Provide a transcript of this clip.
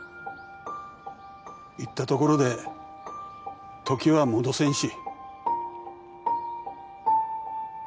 言ったところで時は戻せんし。